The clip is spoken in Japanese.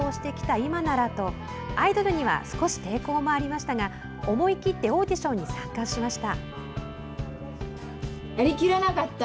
今ならとアイドルには少し抵抗もありましたが思い切ってオーディションに参加しました。